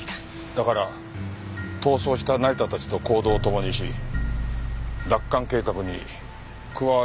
だから逃走した成田たちと行動をともにし奪還計画に加わるふりをして。